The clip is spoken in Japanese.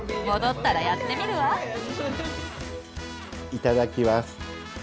いただきます。